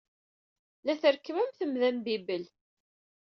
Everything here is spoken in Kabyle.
La trekkem am temda n bibel.